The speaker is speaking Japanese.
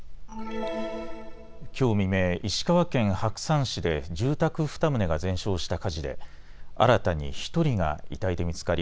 きょう未明、石川県白山市で住宅２棟が全焼した火事で新たに１人が遺体で見つかり